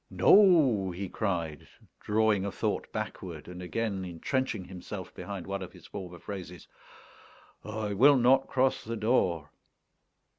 "No," he cried, drawing a thought backward, and again entrenching himself behind one of his former phrases; "I will not cross the door."